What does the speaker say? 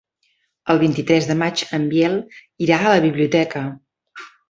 El vint-i-tres de maig en Biel irà a la biblioteca.